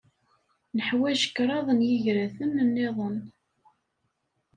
Neḥwaj kraḍ n yigraten niḍen.